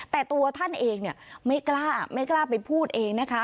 แต่ตัวท่านเองไม่กล้าไม่กล้าไปพูดเองนะคะ